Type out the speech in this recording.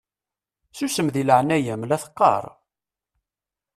Susem deg leɛnaya-m la teqqaṛ!